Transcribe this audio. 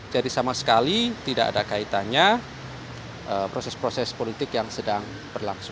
jadi sama sekali tidak ada kaitannya proses proses politik yang sedang berlangsung